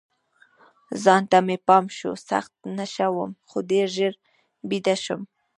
ځان ته مې پام شو، سخت نشه وم، خو ډېر ژر بیده شوم.